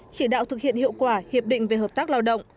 chỉ đạo thực hiện hiệu quả hiệp định về hợp tác lao động